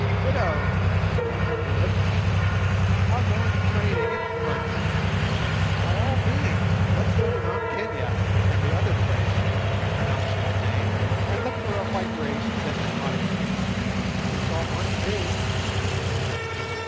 "Ditto," remarked Good. "I'll go into training at once. By all means let's go to Mt Kenia and the other place with an unpronounceable name, and look for a white race that does not exist. It's all one to me."